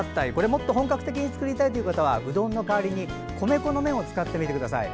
もっと本格的に作りたい方はうどんの代わりに米粉の麺を使ってみてください。